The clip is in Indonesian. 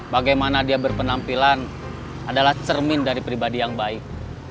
bagaimana dia berpenampilan adalah cermin dari pribadi yang baik